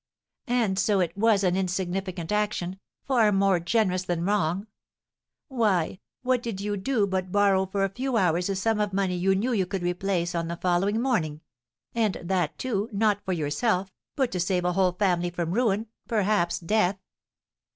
"And so it was an insignificant action, far more generous than wrong. Why, what did you do but borrow for a few hours a sum of money you knew you could replace on the following morning; and that, too, not for yourself, but to save a whole family from ruin, perhaps death."